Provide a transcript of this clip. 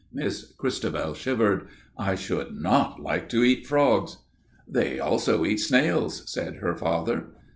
Miss Christabel shivered. "I should not like to eat frogs." "They also eat snails," said her father.